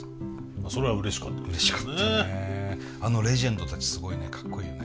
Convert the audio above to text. あのレジェンドたちすごいねかっこいいよね。